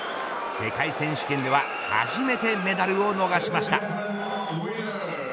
世界選手権では初めてメダルを逃しました。